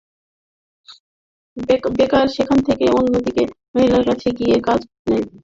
বেকার সেখান থেকে অন্য একটি মহিলার কাছে গিয়ে কাজ নেন।